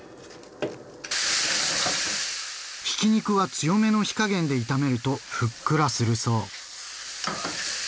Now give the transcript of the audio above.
ひき肉は強めの火加減で炒めるとふっくらするそう。